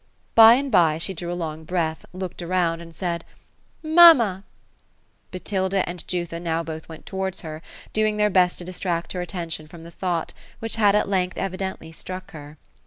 By and bye, she drew a long breath, looked round, and said :—<' Mamma !" Botilda and Jutha both now went towards her ; doing their best to distract her attention from the thought, which had at length evidently struck her.